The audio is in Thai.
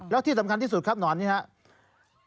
แล้วที่สำคัญที่สุดครับหนอนนี้ครับ